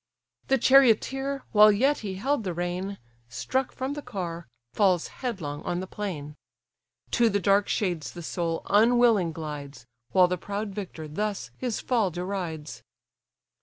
The charioteer, while yet he held the rein, Struck from the car, falls headlong on the plain. To the dark shades the soul unwilling glides, While the proud victor thus his fall derides.